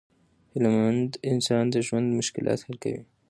هیله مند انسان د ژوند مشکلات حل کوي.